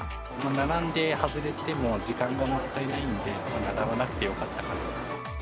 並んで外れても、時間ももったいないんで、並ばなくてよかったかなと。